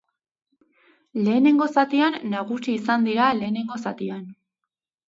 Lehenengo zatian nagusi izan dira lehenengo zatian.